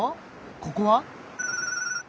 ここは？